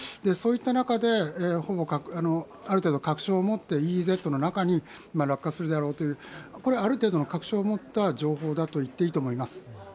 そういった中で、ある程度確証を持ってＥＥＺの中に落下するであろうという、ある程度確証を持った情報だと言っていいと思います。